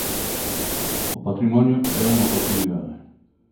O patrimonio é unha oportunidade.